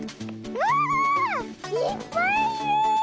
うわいっぱいいる！